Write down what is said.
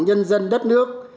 nhân dân đất nước